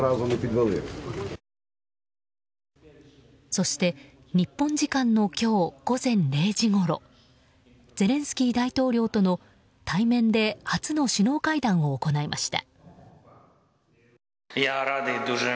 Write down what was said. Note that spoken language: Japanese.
そして日本時間の今日午前０時ごろゼレンスキー大統領との対面で初の首脳会談を行いました。